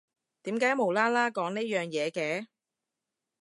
點解無啦啦講呢樣嘢嘅？